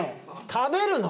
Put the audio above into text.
食べるの？